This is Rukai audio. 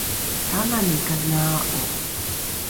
kanani kanaa’o?